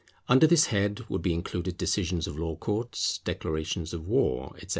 Under this head would be included decisions of law courts, declarations of war, etc.